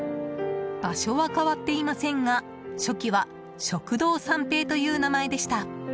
場所は変わっていませんが初期は食堂三平という名前でした。